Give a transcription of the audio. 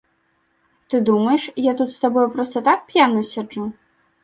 Ты думаеш, я тут з табой проста так п'яны сяджу?